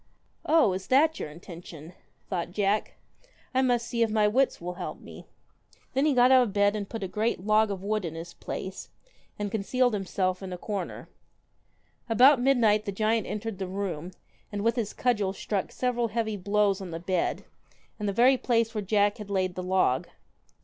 'Oh! is that your intention!' thought Jack. 'I must see if my wits will help me.' 187 JACK THE Then he got out of bed and put a great log of GIANT wood in his place, and concealed himself in a KILLER corner . About midnight the giant entered the room, and with his cudgel struck several heavy blows on the bed, in the very place where Jack had laid the log.